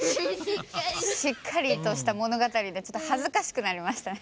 しっかりとしたものがたりでちょっとはずかしくなりましたね。